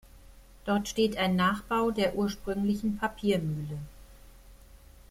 Dort steht ein Nachbau der ursprünglichen Papiermühle.